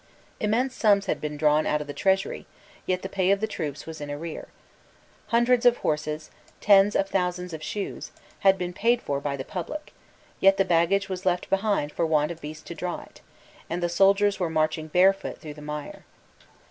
Immense sums had been drawn out of the Treasury: yet the pay of the troops was in arrear. Hundreds of horses, tens of thousands of shoes, had been paid for by the public: yet the baggage was left behind for want of beasts to draw it; and the soldiers were marching barefoot through the mire.